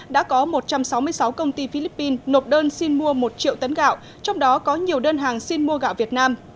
đã có một trăm sáu mươi sáu công ty philippines nộp đơn xin mua một triệu tấn gạo trong đó có nhiều đơn hàng xin mua gạo việt nam